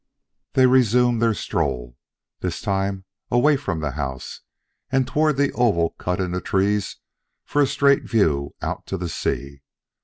They resumed their stroll, this time away from the house and toward the oval cut in the trees for a straight view out to the sea.